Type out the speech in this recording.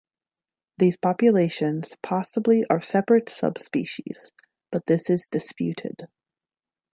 These populations possibly are separate subspecies, but this is disputed.